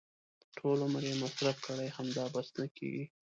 ټول عمر یې مصرف کړي هم بس نه کېږي.